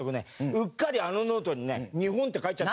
うっかりあのノートにね日本って書いちゃった。